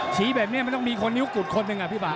ชี้แบบนี้มันต้องมีคนนิ้วกุดคนหนึ่งอ่ะพี่ป่า